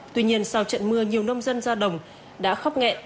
tuy nhiên sau trận mưa nhiều nông dân ra đồng đã khóc nghẹn